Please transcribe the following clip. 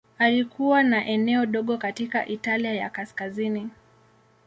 Alikuwa na eneo dogo katika Italia ya Kaskazini.